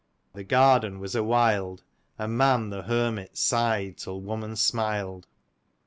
<i ### Tiig garden was a wild, And man the hermit sighed till woman smil'd.